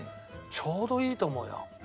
ちょうどいいと思うよ。